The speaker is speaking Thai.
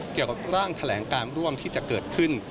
เกี่ยวกับร่างแถลงการร่วมที่จะเกิดขึ้น